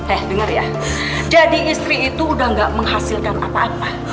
eh dengar ya jadi istri itu udah gak menghasilkan apa apa